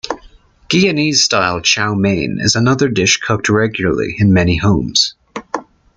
Guyanese-style Chow Mein is another dish cooked regularly in many homes.